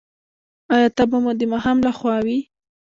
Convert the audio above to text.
ایا تبه مو د ماښام لخوا وي؟